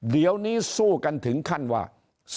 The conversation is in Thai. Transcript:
เดี๋ยวนี้สู้กันถึงขั้นว่า